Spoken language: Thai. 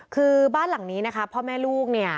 คือบ้านหลังนี้นะคะพ่อแม่ลูกเนี่ย